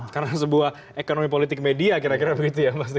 karena sebuah ekonomi politik media kira kira begitu ya mas